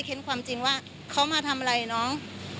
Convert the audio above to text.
ตอบมาน้องเขาทำอะไรน๋อง